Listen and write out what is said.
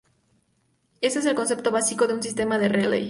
Esa es el concepto básico de un sistema de relay.